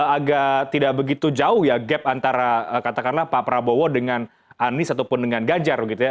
agak tidak begitu jauh ya gap antara katakanlah pak prabowo dengan anies ataupun dengan ganjar begitu ya